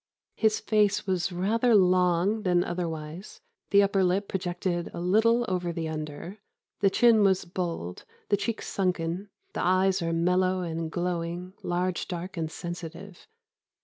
His face was rather long than otherwise; the upper lip projected a little over the under; the chin was bold, the cheeks sunken; the eyes are mellow and glowing, large, dark, and sensitive.